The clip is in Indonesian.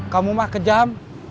kamu mah kejam